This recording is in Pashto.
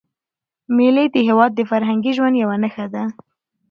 مېلې د هېواد د فرهنګي ژوند یوه نخښه ده.